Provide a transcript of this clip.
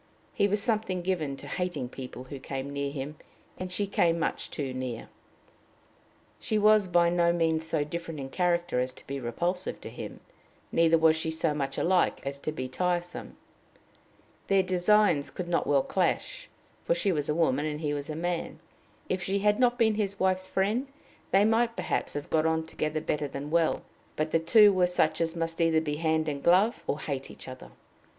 He was something given to hating people who came near him, and she came much too near. She was by no means so different in character as to be repulsive to him; neither was she so much alike as to be tiresome; their designs could not well clash, for she was a woman and he was a man; if she had not been his wife's friend, they might, perhaps, have got on together better than well; but the two were such as must either be hand in glove or hate each other.